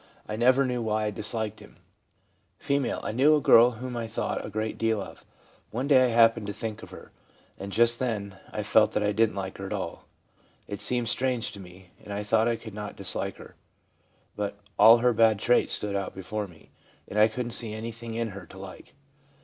I never knew why I disliked him.' F. * I knew a girl whom I thought a great deal of. One day I happened to think of her, and just then I felt that I didn't like her at all. It seemed strange to me, and I thought I could not dislike her ; but all her bad traits stood out before me, and I couldn't see anything in her to like.'